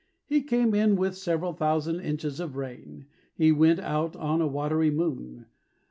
He came in with several thousand inches of rain; He went out on a watery moon.